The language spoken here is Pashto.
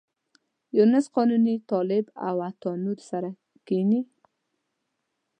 یونس قانوني، طالب او عطا نور سره کېني.